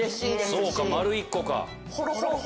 そうか丸１個か。